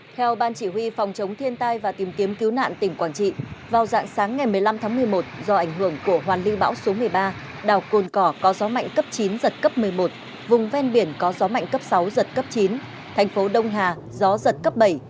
theo ban chỉ huy phòng chống thiên tai và tìm kiếm cứu nạn tỉnh quảng trị vào dạng sáng ngày một mươi năm tháng một mươi một do ảnh hưởng của hoàn lưu bão số một mươi ba đảo cồn cỏ có gió mạnh cấp chín giật cấp một mươi một vùng ven biển có gió mạnh cấp sáu giật cấp chín thành phố đông hà gió giật cấp bảy